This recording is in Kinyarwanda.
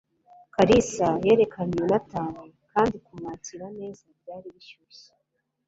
Kalisa yerekanye Yonatani kandi kumwakira neza byari bishyushye.